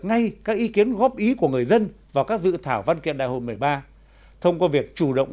ngay các ý kiến góp ý của người dân vào các dự thảo văn kiện đại hội một mươi ba thông qua việc chủ động